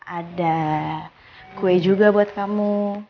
ada kue juga buat kamu